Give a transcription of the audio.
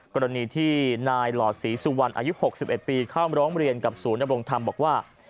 กรณีที่นายหลอดศรีสุวรรณอายุ๖๑ปีเข้ามาร้องเรียนกับศูนย์ดำรงธรรมบอกว่า